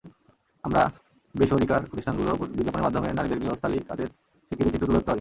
আমরা, বেসরকাির প্রতিষ্ঠানগুলো বিজ্ঞাপনের মাধ্যমে নারীদের গৃহস্থািল কাজের স্বীকৃতির চিত্র তুলে ধরতে পারি।